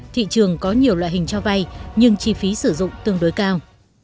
thị trường có nhiều loại hình cho vay nhưng chi phí sử dụng tương đối cao